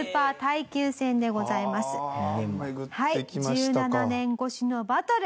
１７年越しのバトル。